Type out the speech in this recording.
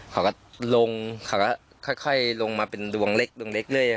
เขาก็ลงเขาก็ค่อยลงมาเป็นดวงเล็กดวงเล็กเรื่อย